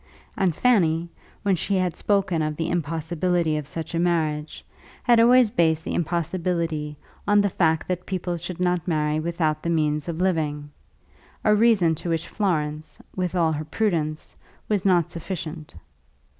And Fanny, when she had spoken of the impossibility of such a marriage, had always based the impossibility on the fact that people should not marry without the means of living, a reason which to Florence, with all her prudence, was not sufficient.